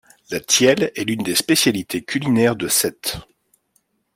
La tielle est l'une des spécialités culinaires de Sète.